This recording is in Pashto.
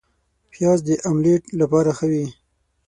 پیاز د املیټ لپاره ښه وي